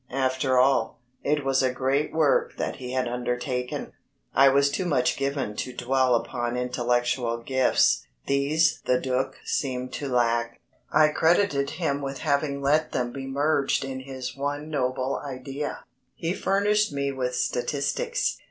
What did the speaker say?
After all, it was a great work that he had undertaken. I was too much given to dwell upon intellectual gifts. These the Duc seemed to lack. I credited him with having let them be merged in his one noble idea. He furnished me with statistics.